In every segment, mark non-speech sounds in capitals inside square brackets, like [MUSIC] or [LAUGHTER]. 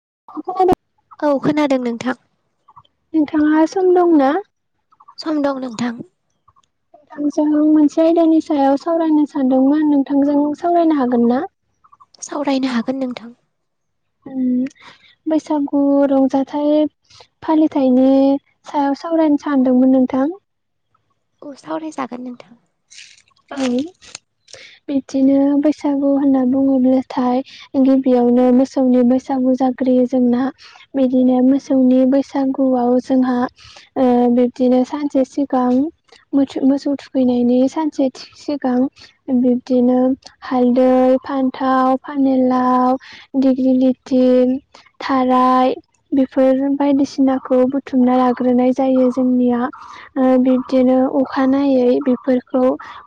[INAUDIBLE] औ खोनादों नोंथां। नोंथांङा सम दंना? सम दं नोंथां। नोंजों मोनसे आयदानि सायाव सावरायनो सानदोंमोन नोंथांजों सावरायनो हागोन ना। सावरायनो हागोन नोंथां। उम। बैसागु रंजाथाइ फालिथायाइनि सायाव सावरायनो सानदोंमोन। नोंथां। औ सावरायजागोन नोंथां ओं बिदिनो बैसागु होनना बुंङोब्लाथाय गिबियावनो मोसौनि बैसागु जाग्रोयो जोंना बिदिनो मोसौनि बैसागुआव जोंहा ओ बे दिनो सानसे सिगां मोसो मोसौ थुखैनायनि सानसे थि सिगां बिब्दिनो हालदै फान्थाव फानेलाव दिग्रि लिटि थाराय बेफोर बायदिसिनाखौ बुथुमना लाग्रोनाय जायो जोंनिया ओ बिब्दिनो अखानायै बेफोरखौ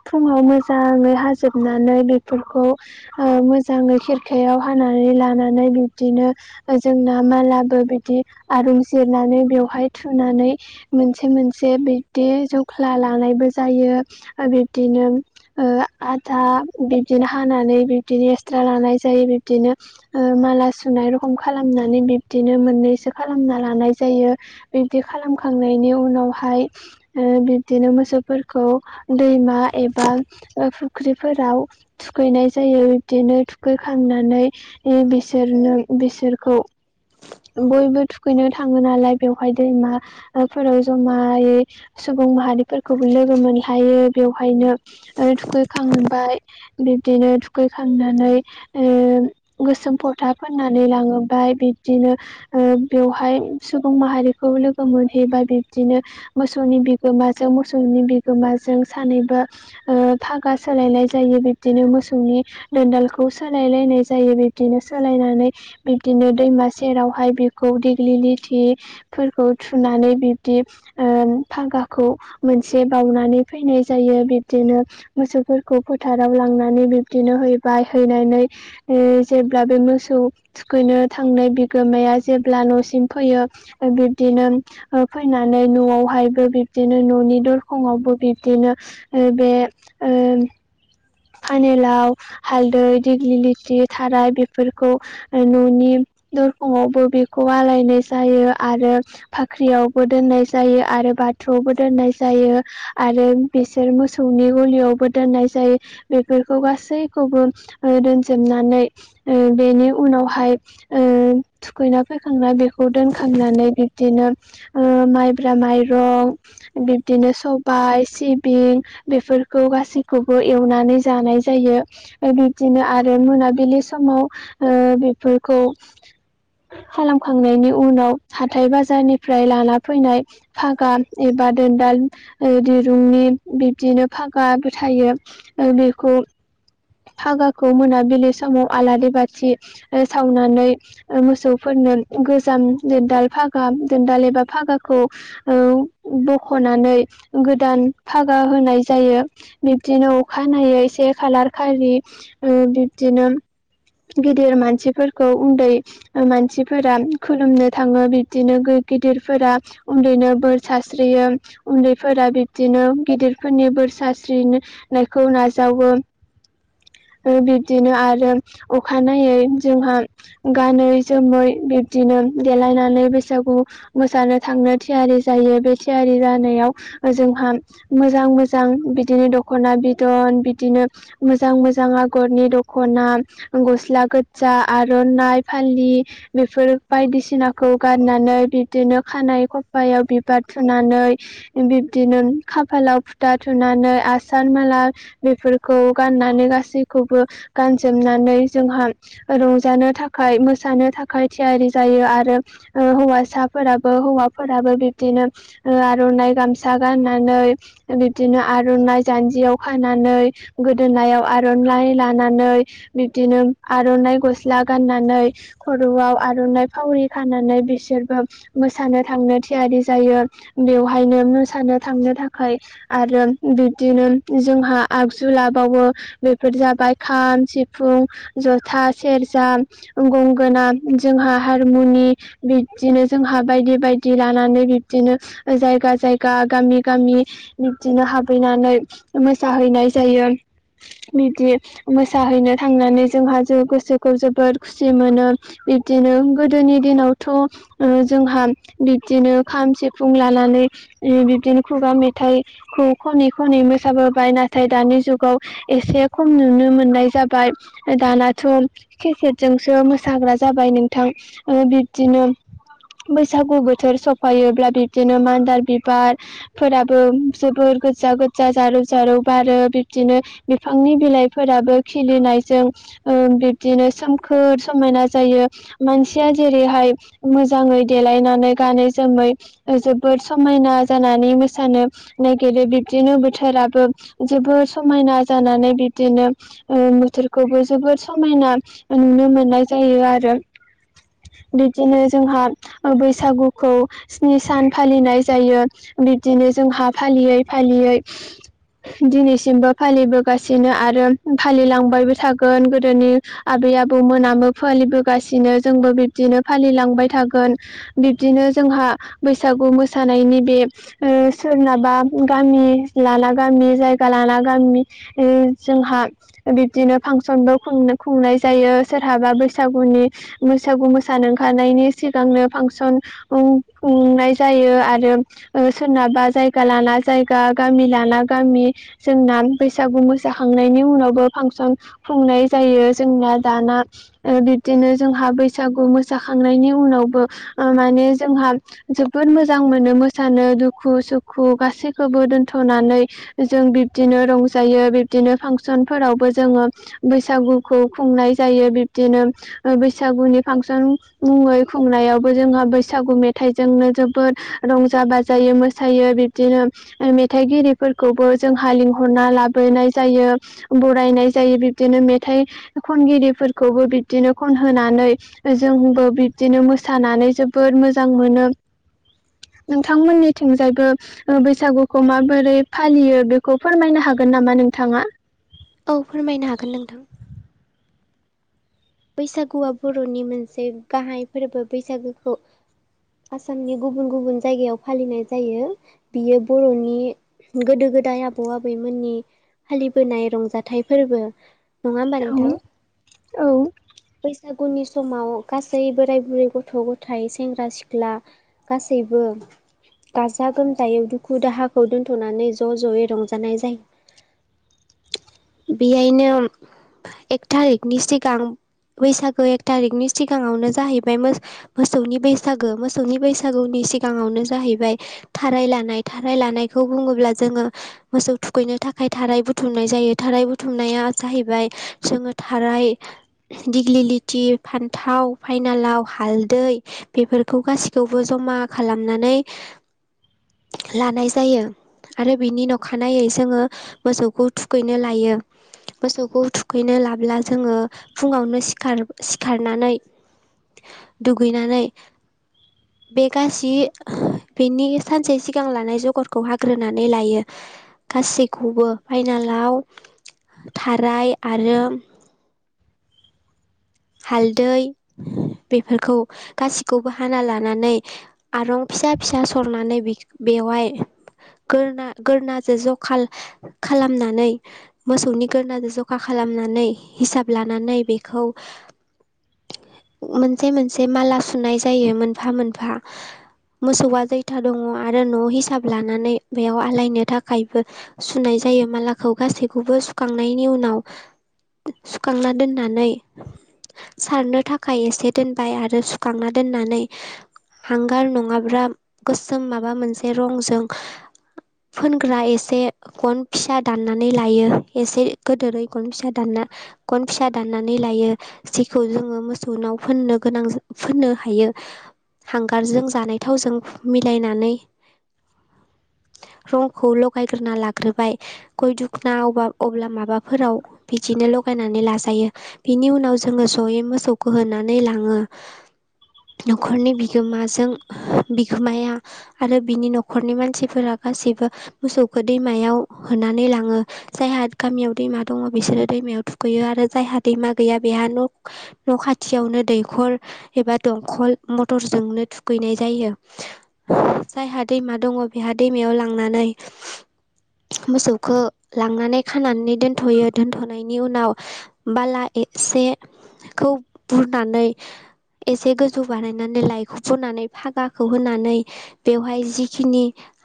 फुंङाव मोजांङै हाजोबनानै बेफोरखौ ओ मोजांङै खेरखायाव हानानै लानानै बिब्दिनो ओ जोंना मालाबो बिदि आरुं जिरनानै बेवहाय थु थुनानै मोनसे मोनसे बिब्दि जख्ला लानायबो जायो ओ बिब- दिनो ओ आधा बिबदिनो हानानै बिबदिनो एक्सट्रा लानाय जायो बिबदिनो ओ माला सुनाय रखम खालामनानै बिब्दिनो मोननैसो खालामना लानाय जायो । बिबदि खालामखांनायनि उनावहाय ओ बिब्दिनो मोसौफोरखौ दैमा एबा ओ फुख्रिफोराव थुखैनाय जायो बिब्दिनो थुखैखांनानै ओ बिसोरनो बिसोरखौ बयबो थुखैनो थांङो नालाय बेवहाय दैमा ओफोराव जमायै सुबुं माहारिफोरखौबो लोगो मोनलायो बेवहायनो ओ थुखैखांबाय बिबदिनो ओ थुखैखांनानै ओ गोसोम फथा फोननानै लांङोबाय बि दिनो ओ बेवहाय सुबुं माहारिखौ लोगो मोनहैबा बिबदिनो मोसौनि बिगोमाजों मोसौनि बिगोमाजों सानैबो ओ फागा सोलायलाय जायो बिब्दिनो मोसौनि दोनदालखौ सोलायलायनाय जायो बिब्दिनो सोलायनानै बिब्दिनो दैमा सेरावहाय बेखौ दिग्लिलिथिफोरखौ थुनानै बिब्दि ओ फागा खौ मोनसे बावनानै फैनाय जायो बिब्दिनो मोसौफोरखौ फोथाराव लांनानै बे बिब्दिनो हैबाय हैनानै ओ जेब्ला बे मोसौ थुखैनो थांनाय बि गोमाया जेब्ला न'सिम फैयो ओ बिब्दिनो ओ फैनानै न'आवहाय गोबिब दिनो न'नि दरखंआवबो बिब्दिनो ओ बे ओ फानेलाव हालदै दिग्लिलिथि थाराय बेफोरखौ ओ न'नि दरखंआवबो बेखौ आलायनाय जायो आरो भाख्रियावबो दोननाय जायो आरो बाथौआवबो दोननाय जायो आरो बिसोर मोसौनि गलियावबो दोननाय जायो। बेफोरखौ गासैखौबो ओ दोनजोबनानै ओ बेनि उनावहाय ओ ओ थुखैना फैखांना बेखौ दोनखांनानै बिब्दिनो ओ माइब्रा माइरं बिब्दिनो सबाय सिबिं बेफोर खौ गासैखौबो एवनानै जानाय जायो ओ बिब्दिनो आरो मोनाबिलि समाव ओ बेफोरखौ खालामखांनायनि उनाव हाथाय बाजारनिफ्राय लाना फैनाय फागा ए बा दोनदाल ओ दिरुंनि बिबदिनो फागाबो थायो ओ बे खौ फागाखौ मोनाबिलि समाव आलारि बाथि ओ सावनानै ओ मोसौफोर नो गोजाम दोनदाल फागा दोनदाल एबा फागाखौ औ बखना नै गोदान फागा होनाय जायो बिबदिनो अखानायै से खालार खालि ओ बिबदिनो गेदिर मानसिफोरखौ उन्दै ओ मानसिफोरा खुलुमनो थाङो बिबदिनो गो- गिदिरफोरा उन्दैनो बोर सास्रियो उन्दैफोरा बिब्दिनो गिदिरफोरनि बो- बोर सास्रिनो-नायखौ नाजावो। ओ बिब्दिनो आरो अखानायै जोंहा गानै जोमै बि दिनो देलायनानै बैसागु मोसानो थांनो थियारि जायो बे थियारि जानायाव ओजोंहा मोजां मोजां बिदिनो दखना बिदन बिदिनो मोजां मो जां आगरनि दख'ना गस्ला गोज्जा आर'नाइ फालि बेफोर बायदिसिनाखौ गारनानै बिब्दिनो खानाय खफायाव बिबार थुनानै बि- बिदिनो खाफालाव फुथा थुनानै आसान माला बेफोरखौ गाननानै गा सैखौबो गानजोबनानै जोंहा रंजानो थाखाय मोसानो थाखाय थियारि जायो आरो हौवासाफोराबो हौवाफोराबो बिबदिनो आर'नाइ गामसा गाननानै बिदिनो आर'नाइ जान्जियाव खानानै गोदोनायाव आर'नाइ लानानै बिबदिनो आर'नाइ गस्ला गाननानै खर'आव आर' नाइ फावरि खानानै बिसोरबो मोसानो थांनो थियारि जायो बेवहायनो मोसानो थांनो थाखाय आरो बिब्दिनो जोंहा आगजु लाबावो। बेफोर जाबाय खाम, सिफुं, जथा, सेरजा, गंगोना जों हा हारमुनि बिबदिनो जोंहा बायदि बायदि लानानै बिदिनो जायगा जायगा गामि गामि बिब्दिनो हाबहैनानै मोसाहैनाय जायो। बिदि मोसाहैनो थांनानै जोंहा ज गोसोखौ जोबोर खुसि मोनो। बिब्दिनो गोदोनि दिनावथ' जोंहा बिब्दिनो खाम, सिफुं लानानै बिबदिनो खुगा मेथाइखौ खनै खनै मोसाबोबाय नाथाय दानि जुगाव एसे खम नुनो मोननाय जाबाय दानाथ' केसेटजों मोसाग्रा जाबाय नोंथां बिब्दिनो बैसागु बोथोर सफायोब्ला बिब्दिनो मान्दार बिबारफोराबो जोबोर गोजा गोजा जारौ जारौ बारो बिबदिनो बिफांनि बिलाइफोराबो खिलिनायजों बिब्दिनो सोमखोर समायना जायो। मानसिया जेरैहाय मोजाङै देलायनानै गानै जोमै जोबोद सम समायना जानानै मोसानो नागिरो बिब्दिनो बोथोराबो जोबोर समायना जानानै बिबदिनो बोथोरखौबो जोबोद समायना नुनो मोननाय जायो आरो। औ बिदिनो जोंहा बैसागुखौ स्नि सान फालिनाय जायो बिब्दिनो जोंहा फालियै फालियै दिनैसिमबो फालिबो गासिनो आरो फालिलांबायबो थागोन गोदोनि आबै आबौ मोनामो फालिबोगासिनो जोंबो बिब्दिनो फालिलांबाय थागोन बिब्दिनो जोंहा बैसागु मोसानायनि नैबे सोरनाबा गामि लाना गामि जायगा लाना गामि जोंहा बिबदिनो फांसनबो खुंनाय जायो सोरहाबा बैसागुनि बैसागु मोसानो ओंखारनायनि सिगांनो फांसन खुंनाय जायो। आरो सोरनाबा जायगा लाना जायगा गामि लाना गामि जोंना बैसागु मोसाखांनायनि उनावबो फांसन खुंनाय जायो। जोंना दाना बि बिदिनो जोंहा बैसागु मोसाखांनायनि उनावबो माने जोंहा जोबोद मोजां मोनो मोसानो दुखु सुखु गासैखौबो दोनथ'नानै जों बिबदिनो रं जायो बिब्दिनो फांसनफोरावबो जोङो बैसागुखौ खुंनाय जायो। बिब्दिनो बैसागुनि फांसन मुङै खुंनायावबो जोंहा बैसागु मेथाइजोंनो जोबोद रंजा बाजायो मोसायो बिबदिनो मेथाइगिरिफोरखौबो जोंहा लिंहरना लाबो नाय जायो बरायनाय जायो बिबदिनो मेथाइ खनगिरिफोरखौबो बिदिनो ख होनानै जोंबो बिब्दिनो मोसानानै जोबोद मोजां मोनो। नोंथांमोननिथिंजायबो बैसागुखौ माबोरै फालियो बेखौ फोरमायनो हागोन। गोन नामा नोंथाङा। औ फोरमायनो हागोन नोंथां। बैसागुआ बर'नि मोनसे गाहाय फोरबो बैसागुखौ आसामनि गुबुन गुबुन जायगायाव फालिनाय जायो बियो बर'नि गोदो गोदाय आबौ आबैमोननि फालिबोनाय रंजाथाइ फोरबो नङा होमबा नोंथां औ बैसागुनि समाव गासै बोराय बुरै गथ' गथाय सेंग्रा सिख्ला गासैबो गाजा गोमजायै दुखु दाहाखौ दोन्थ'नानै ज' ज'यै रंजानाय जायो बेहायनो एक थारिखनि सिगां बैसागो एक थारिखनि सिगाङावनो जाहैबाय मो मोसौनि बैसागो मोसौनि बैसागु नि सिगाङावनो जाहैबाय थाराय लानाय थाराय लानायखौ बुङोब्ला जोङो मोसौ थुखैना थाखाय थाराय बुथुमनाय जायो थाराय बुथुमनाया जाहैबाय जोङो थाराय दिग्लि लिथि फान्थाव फाइनालाव हालदै बेफोरखौ गासिखौबो ज मा खालामनानै लानाय जायो आरो बिनि अखानायै जोङो मोसौखौ थुखैनो लायो मोसौखौ थुखैनो लाब्ला जोङो फुङावनो सिखार सिखारनानै दुगैनानै बे गासै बेनि सानसे सिगां लानाय जगरखौ हाग्रोनानै लायो गासैखौबो फाइनालाव थाराय आरो हालदै बेफोरखौ गासिखौबो हाना लानानै आरं फिसा फिसा सरनानै बेवाय गोरना गोरनाजों जखा खालामनानै मोसौनि गोरनाजों जखा खा खालामनानै हिसाब लानानै बेखौ मोनसे मोनसे माला सुनाय जायो मोनफा मोनफा मोसौआ जैथा दङ आरो न' हिसाब लानानै बेयाव आलायनो थाखायबो सुनाय जायो मालाखौ गासैखौबो सुखांनायनि उनाव सुखांना दोननानै सारनो थाखाय एसे दोनबाय आरो सुखांना दोननानै हांगार नङाब्ला गोसोम माबा मोनसे रंजों फोनग्रा एसे गन फिसा दाननानै लायो एसे गोदोरै गन फिसा दानना गन फिसा दाननानै लायो जिखौ जोङो मोसौ नाव फोननो गोनां फोननो हायो हांगारजों जानाय थावजों मिलायनानै रंखौ लगायग्रोना लाग्रोबाय गय दुखुना अबा अब्ला माबाफोराव बिदिनो ल गानानै लाजायो बिनि उनाव जोङो जयै मोसौखौ होनानै लाङो न'खरनि बिगोमाजों बिगोमाया आरो बिनि न'खरनि मानसिफोरा गासैबो मोसौखौ दैमायाव होनानै लाङो जायहा गामियाव दैमा दङ बिसोरो दैमायाव थु खैयो आरो जायहा दैमा गैया बेहा न' न' खाथियावनो दैखर एबा दंखल मथरजोंनो थुखैनाय जायो जायहा दैमा दङ बेहा दैमायाव लांनानै नै मोसौखो लांनानै खानानै दोनथ'यो दोन्थ'नायनि उनाव बाला एसेखौ बुरनानै एसे गोजौ बानायनानै लाइखौ फुनानै फागाखौ होनानै बेवहाय जिखिनि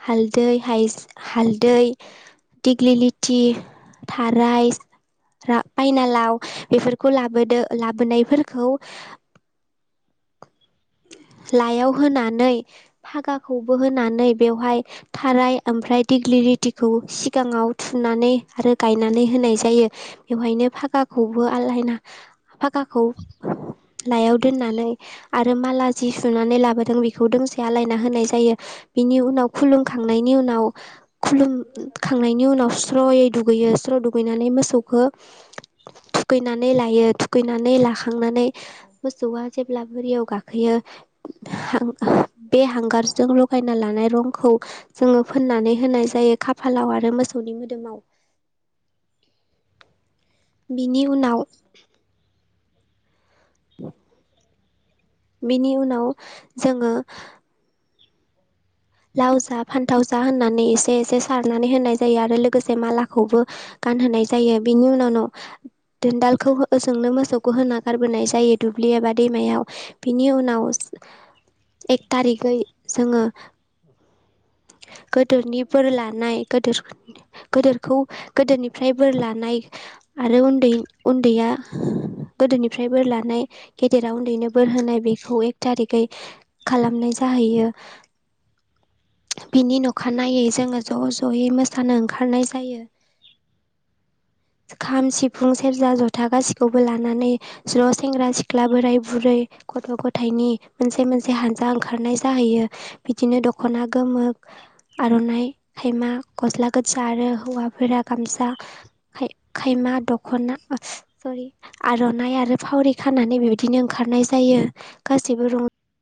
हालदै हाइज हालदै दिग्लि लिथि थाराइ रा फायनालाव बेफोरखौ लाबोदो लाबोनायफोरखौ लायाव होनानै फागाखौबो होनानै बेवहाय थाराय ओमफ्राय दिगलि लिथिखौ सिगाङाव थुनानै आरो गायनानै होनाय जायो बेवहायनो फागा फागाखौबो आलायना फागाखौ लायाव दोननानै आरो माला जि सुनानै लाबोदों बेखौ दोंसे आलायना होनाय जायो बिनि उनाव खुलुमखांनायनि उनाव खुलुमखांनायनि उनाव स्र'यै दुगैयो स्र' दुगैनानै मोसौखौ थुखैनानै लायो थुखैनानै लाखांनानै मोसौआ जेब्ला बोरियाव गाखोयो [INAUDIBLE] बे हांगारजों लगायना लानाय रंखौ जोङो फोननानै होनाय जायो खा फालाव आरो मोसौनि मोदोमाव। बिनि उनाव बेनि उनाव जोङो लाव जा, फान्थाव जा होननानै एसे एसे सारनानै होनाय जायो आरो लोगोसे मालाखौबो गानहोनाय जायो। बेनि उनावनो दोनदालखौ ओजोंनो मोसौखौ होना गारबोनाय जायो दुब्लि एबा दैमायाव। बिनि उनाव एक थारिखै जोङो [INAUDIBLE] गोदोनि बोर लानाय गोदोर गोदोरखौ गोदोरनिफ्राय बोर लानाय आरो उन्दै उन्दैआ गोदोनिफ्राय बोर लानाय गेदेरा उन्दैनो बोर होनाय बेखौ एक थारिखै खालामनाय जा जाहैयो। बिनि न'खानायनायै जोङो ज' ज'यै मोसानो ओंखारनाय जायो। [INAUDIBLE] खाम सिफुं सेरजा जथा गासैखौबो लानानै ज' सेंग्रा सिख्ला बोराय बुरै गथ' गथायइनि मोनसे मोनसे हानजा ओंखारनाय जाहैयो बिदिनो दख'ना गोमो आर'नाइ खायमा गस्ला गोजा आरो हौवाफोरा गामसा खाय खाय मा दख'ना सरि आर'नाइ आरो फावरि खानानै बेबायदिनो ओंखारनाय जायो। गासैबो रं